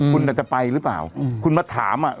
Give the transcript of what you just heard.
คุณอาจจะไปหรือเปล่าคุณมาถามอ่ะ